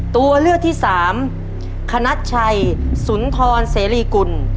ตัวเลือกที่สามคณัชชัยสุนทรเสรีกุล